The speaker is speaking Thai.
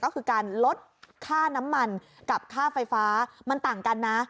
ก็คือการลดค่าน้ำมันกับค่าไฟฟ้ามันต่างกันนะ